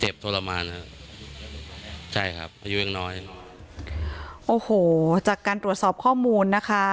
ทรมานครับใช่ครับอายุยังน้อยโอ้โหจากการตรวจสอบข้อมูลนะคะ